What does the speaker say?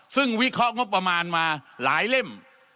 ซึ่งวิเคราะห์งบประมาณมาหลายเล่ม